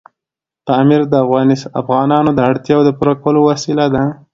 پامیر د افغانانو د اړتیاوو د پوره کولو وسیله ده.